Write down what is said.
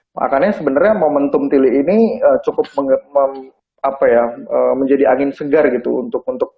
makanya sebenarnya momentum tili ini cukup menjadi angin segar gitu untuk mungkin para pembuat film seperti saya dan teman teman yang lain yang biasanya bikin film pendek